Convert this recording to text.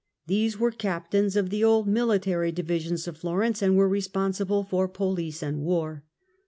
These were captains of the old military divisions of Florence, and were responsible for police and war.